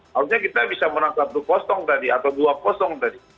harusnya kita bisa menang satu tadi atau dua tadi